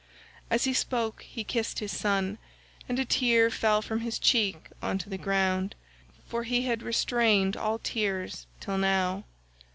As he spoke he kissed his son, and a tear fell from his cheek on to the ground, for he had restrained all tears till now.